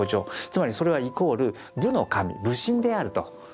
つまりそれはイコール武の神武神であると。